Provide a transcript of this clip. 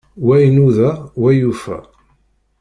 Wa inuda, wa yufa.